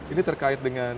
ini terkait dengan